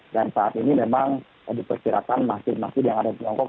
dan saat ini memang diperkirakan maksib maksib yang ada di tiongkok